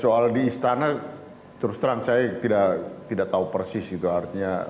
soal di istana terus terang saya tidak tahu persis itu artinya